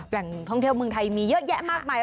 แหล่งท่องเที่ยวเมืองไทยมีเยอะแยะมากมาย